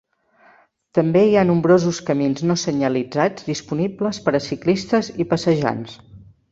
També hi ha nombrosos camins no senyalitzats disponibles per a ciclistes i passejants.